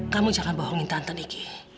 kamu jangan bohongin tante niki